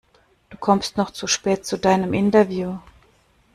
Du kommst noch zu spät zu deinem Interview.